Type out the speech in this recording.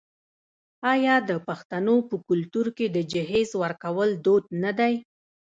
آیا د پښتنو په کلتور کې د جهیز ورکول دود نه دی؟